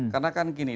karena kan gini